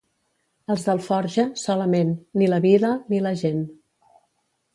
Els d'Alforja, solament, ni la vila ni la gent.